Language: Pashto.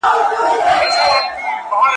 د زور اوبه پر لوړه ځي.